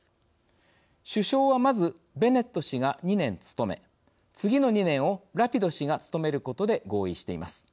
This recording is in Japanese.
首相は、まずベネット氏が２年務め次の２年をラピド氏が務めることで合意しています。